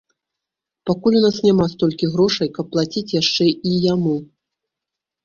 Пакуль у нас няма столькі грошай, каб плаціць яшчэ і яму.